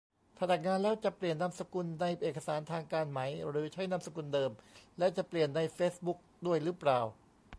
ถ้าแต่งงานแล้วจะเปลี่ยนนามสกุลในเอกสารทางการไหม หรือใช้นามสกุลเดิม และจะเปลี่ยนในเฟซบุ๊กด้วยรึเปล่า